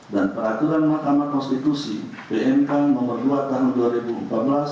dan peraturan mahkamah konstitusi pnk no dua tahun dua ribu empat belas